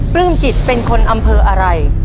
ปรุงกิจเป็นคนอำเภออะไร